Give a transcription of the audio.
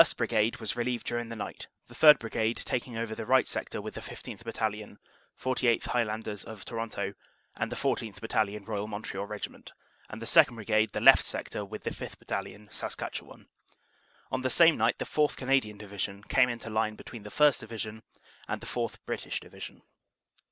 Brigade was relieved during the night, the 3rd. Brigade taking over the right sector with the 15th. Battalion. 48th. Highlanders of Toronto, and the 14th. Battalion, Royal Montreal Regiment, and the 2nd. Brigade the left sector with the 5th. Battalion, Saskatchewan. On the same night the 4th. Canadian Division came into line between the 1st. Division and the 4th. British Division.